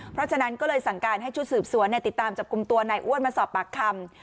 เพราะฉะนั้นก็เลยสั่งการให้ชุดสืบสวนติดตามจับกลุ่มตัวนายอ้วนมาสอบปากคำ